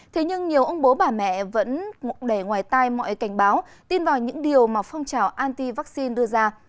thế nhưng nhiều ông bố bà mẹ vẫn ngụm đầy ngoài tay mọi cảnh báo tin vào những điều mà phong trào anti vắc xin đưa ra